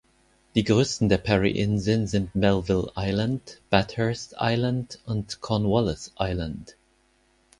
Die größten der Parry-Inseln sind Melville Island, Bathurst Island und Cornwallis Island.